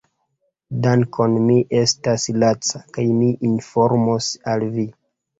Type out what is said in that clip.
Dankon, mi estas laca, kaj mi informos al vi